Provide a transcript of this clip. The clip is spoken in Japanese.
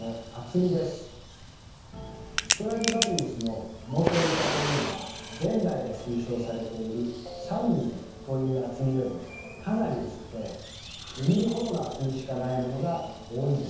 ストラディヴァリウスの表板というのは現代で推奨されている３ｍｍという厚みよりかなり薄くて２ｍｍほどの厚みしかないものが多いんです。